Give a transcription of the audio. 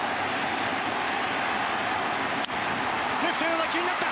レフトへの打球になった！